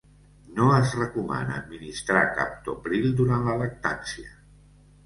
No es recomana administrar captopril durant la lactància.